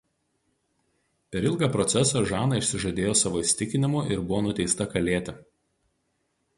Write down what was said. Per ilgą procesą Žana išsižadėjo savo įsitikinimų ir buvo nuteista kalėti.